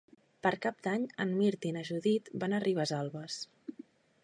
Per Cap d'Any en Mirt i na Judit van a Ribesalbes.